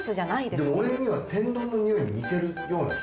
でも俺には天丼の匂いに似てるような気がする。